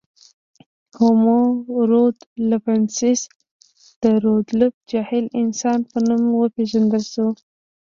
هومو رودولفنسیس د رودولف جهیل انسان په نوم وپېژندل شو.